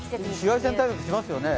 紫外線対策、しますよね？